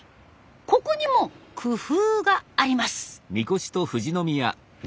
ここにも工夫があります。